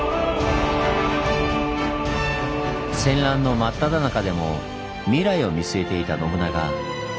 戦乱の真っただ中でも未来を見据えていた信長。